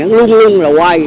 nó luôn luôn là quay